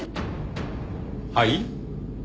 はい？